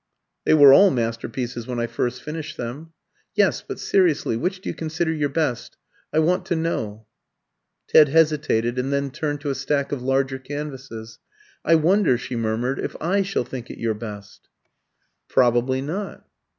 "They were all masterpieces when I first finished them." "Yes; but seriously, which do you consider your best? I want to know." Ted hesitated, and then turned to a stack of larger canvases. "I wonder," she murmured, "if I shall think it your best." "Probably not."